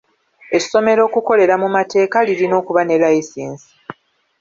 Essomero okukolera mu mateeta lirina okuba ne layisinsi.